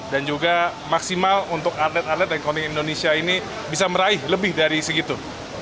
dan juga maksimal untuk atlet atlet dan konting indonesia ini bisa meraih lebih dari segitu